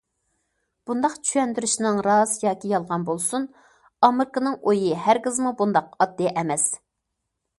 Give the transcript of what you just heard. بۇنداق چۈشەندۈرۈشنىڭ راست ياكى يالغان بولسۇن، ئامېرىكىنىڭ ئويى ھەرگىزمۇ بۇنداق ئاددىي ئەمەس.